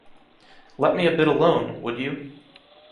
Let me a bit alone, would you?